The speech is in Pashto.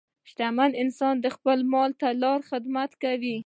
شتمن انسان د خپل مال له لارې خدمت کوي.